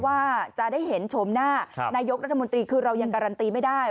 ว่าจะได้เห็นชมหน้านายกรัฐมนตรีคือเรายังการันตีไม่ได้